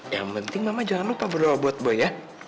yang penting mama jangan lupa berdoa buat boy ya